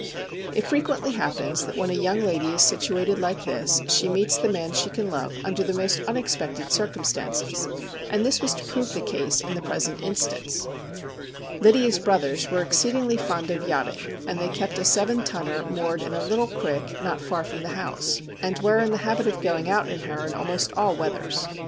It frequently happens that when a young lady is situated like this she meets the man she can love under the most un expected circumstances, and this was to prove the case in the present instance. Lydia's brothers were exceedingly fond of yachting, and they kept a seven tonner moored in a little creek not far from the house, and were in the habit of going out in her in almost all weathers.